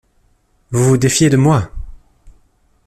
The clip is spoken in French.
Vous vous défiez de moi!